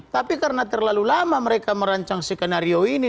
tapi karena terlalu lama mereka merancang skenario ini